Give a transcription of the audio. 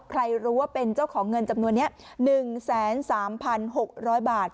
ใครรู้ว่าเป็นเจ้าของเงินจำนวนเนี้ยหนึ่งแสนสามพันหกร้อยบาท